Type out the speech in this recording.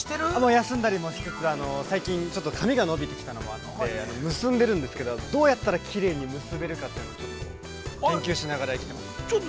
◆休んだりもしつつ、最近、髪が伸びてきたのもあって結んでいるんですけれども、どうやったら、きれいに結べるかというのをちょっと研究しながら生きてます。